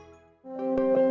lalu dia nyaman